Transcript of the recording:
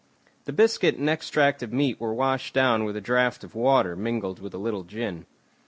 The biscuit and extract of meat were washed down with a draught of water mingled with a little gin.